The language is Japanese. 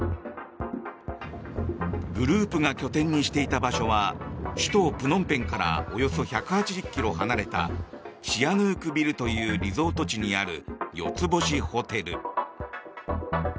グループが拠点にしていた場所は首都プノンペンからおよそ１８０ｋｍ離れたシアヌークビルというリゾート地にある４つ星ホテル。